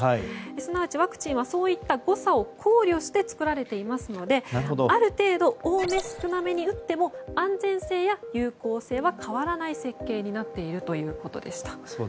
すなわちワクチンはそういった濃さを考慮して作られていますので、ある程度多め、少なめに打っても安全性や有効性は変わらない設計になっているということでした。